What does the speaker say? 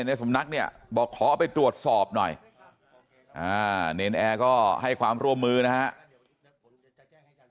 ในสำนักเนี่ยบอกขอไปตรวจสอบหน่อยเนรนแอร์ก็ให้ความร่วมมือนะครับ